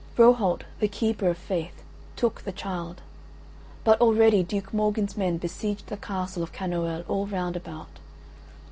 Rohalt, the keeper of faith, took the child, but already Duke Morgan's men besieged the Castle of Kanoël all round about.